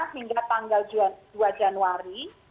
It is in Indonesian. hingga tanggal dua januari